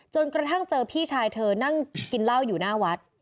จนกระทั่งเจอพี่ชายเธอนั่งกินเหล้าอยู่หน้าวัด